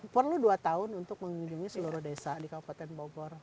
perlu dua tahun untuk mengunjungi seluruh desa di kabupaten bogor